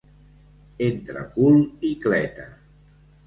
Entre cul i cleta.